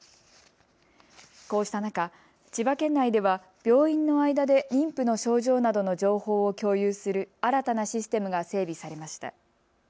こうした中、千葉県内では病院の間で妊婦の症状などの情報を共有する新たなシステムが整備されました。